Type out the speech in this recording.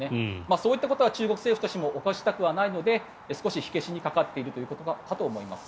そういったことは中国政府としては起こしたくないので少し火消しにかかっているということかと思います。